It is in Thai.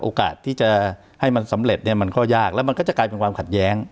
โอกาสที่จะให้มันสำเร็จเนี่ยมันก็ยากแล้วมันก็จะกลายเป็นความขัดแย้ง